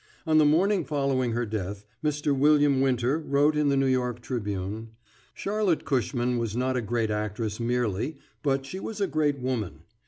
On the morning following her death, Mr. William Winter wrote in the New York Tribune: ... Charlotte Cushman was not a great actress merely, but she was a great woman.